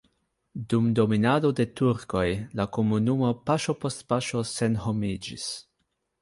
Dum dominado de turkoj la komunumo paŝo post paŝo senhomiĝis.